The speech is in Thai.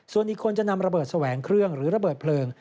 ส่วนอีกคนจะนำระเบิดแสวงเครื่องหรือระเบิดเพลิง